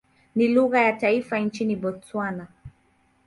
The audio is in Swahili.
Ni lugha ya taifa nchini Botswana.